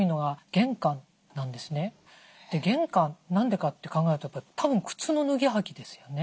玄関何でかって考えるとたぶん靴の脱ぎ履きですよね。